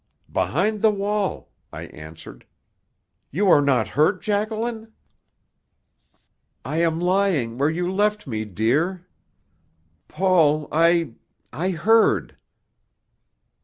"Behind the wall," I answered. "You are not hurt, Jacqueline?" "I am lying where you left me, dear. Paul, I I heard."